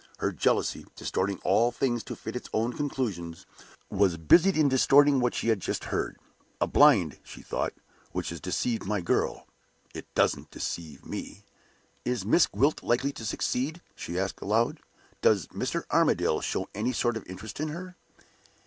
Her jealousy, distorting all things to fit its own conclusions, was busied in distorting what she had just heard. "A blind," she thought, "which has deceived my girl. It doesn't deceive me. Is Miss Gwilt likely to succeed?" she asked, aloud. "Does Mr. Armadale show any sort of interest in her?"